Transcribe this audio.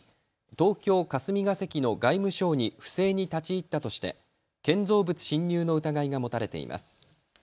東京霞が関の外務省に不正に立ち入ったとして建造物侵入の疑いが持たれています。